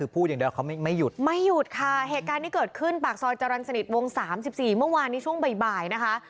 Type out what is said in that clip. เปิดขึ้นปากซอยจรรย์สนิทวง๓๔เมื่อวานในช่วงบ่ายนะคะ